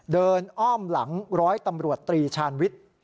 อ้อมหลังร้อยตำรวจตรีชาญวิทย์